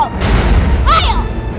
rencana yang hebat tu askol